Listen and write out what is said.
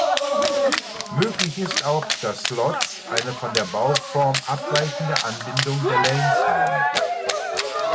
Möglich ist auch, dass Slots eine von der Bauform abweichende Anbindung der Lanes haben.